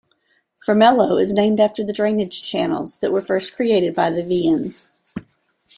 Formello is named after the drainage channels that were first created by the Veians.